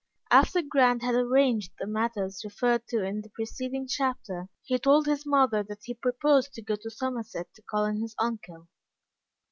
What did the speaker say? After Grant had arranged the matters referred to in the preceding chapter, he told his mother that he proposed to go to Somerset to call on his uncle.